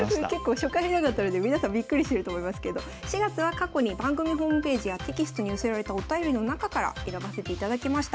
初回なかったので皆さんびっくりしてると思いますけど４月は過去に番組ホームページやテキストに寄せられたお便りの中から選ばせていただきました。